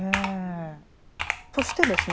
そしてですね